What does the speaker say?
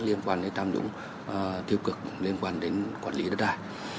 liên quan đến tham nhũng tiêu cực liên quan đến quản lý đất đài